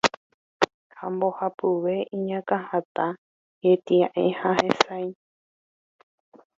Ha mbohapyve iñakãhatã, hetia'e ha hesãi.